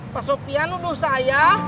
pak sopihanuduh saya